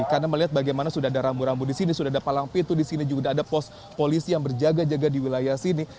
karena melihat bagaimana sudah ada rambu rambu di sini sudah ada palang pintu di sini juga ada pos polisi yang berjaga jaga di wilayah sini